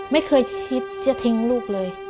ไม่เคยคิดจะทิ้งลูกเลย